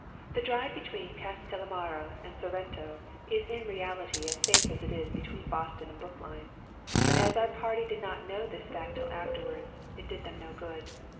The drive between Castellamare and Sorrento is in reality as safe as that between Boston and Brookline; but as our party did not know this fact till afterward, it did them no good.